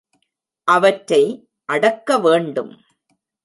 அவற்றை அடக்க வேண்டும்.